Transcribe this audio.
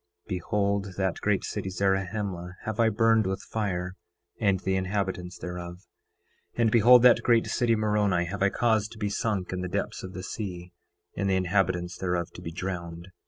9:3 Behold, that great city Zarahemla have I burned with fire, and the inhabitants thereof. 9:4 And behold, that great city Moroni have I caused to be sunk in the depths of the sea, and the inhabitants thereof to be drowned.